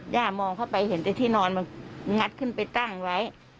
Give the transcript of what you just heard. ย่ามองเข้าไปเห็นแต่ที่นอนมันงัดขึ้นไปตั้งไว้